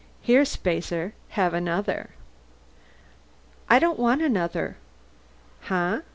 "Here, spacer. Have another." "I don't want another." "Huh?